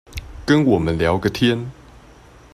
跟我們聊個天